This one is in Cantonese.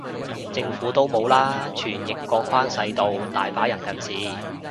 政府都冇啦，傳譯個框細到，大把人近視